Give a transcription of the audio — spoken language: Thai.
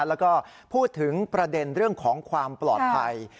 แล้วก็พูดถึงประเด็นเรื่องของความปลอดภัย